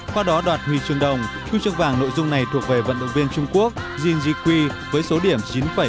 qua đó đoạt huy chương đồng huy chương vàng nội dung này thuộc về vận động viên trung quốc jin ji kwi với số điểm chín bảy mươi bốn